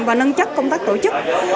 và nâng chất công tác tổ chức